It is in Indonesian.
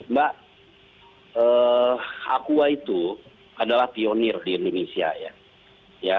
mbak aqua itu adalah pionir di indonesia ya